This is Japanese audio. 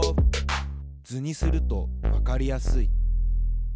図にするとわかりやすい。